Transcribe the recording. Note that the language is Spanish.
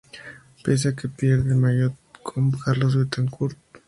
Pese a que pierde el maillot con Carlos Betancourt.